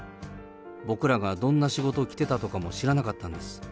僕らがどんな仕事来てたとかも知らなかったんです。